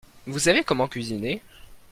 Vous savez comment cuisiner ?